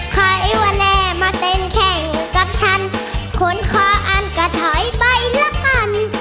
ใครว่าแน่มาเต้นแข่งกับฉันคนคออันก็ถอยไปละกัน